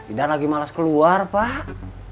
ida lagi malas keluar pak